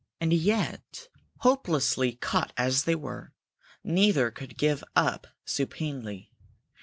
And yet, hopelessly caught as they were, neither could give up supinely.